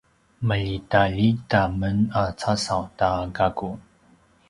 maljitaljita men a casaw ta gaku